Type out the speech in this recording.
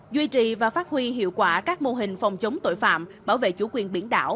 duy trì và phát huy hiệu quả các mô hình phòng chống tội phạm bảo vệ chủ quyền biển đảo